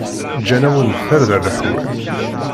Ǧǧan-awen-d tarda leḥwal.